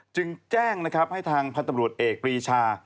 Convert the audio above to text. จึงแจ้งนะครับให้ทางพันธบรวจเอกปรีชา